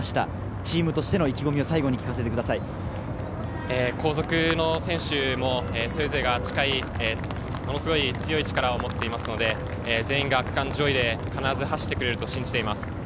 チームとしての意気込みを聞かせ後続の選手もそれぞれがものすごい強い力を持っていますので、全員が区間上位で必ず走ってくれると信じています。